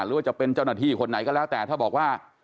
หรือว่าจะเป็นเจ้าหน้าที่คนไหนก็แล้วแต่ถ้าบอกว่า